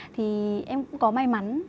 thì em cũng có may mắn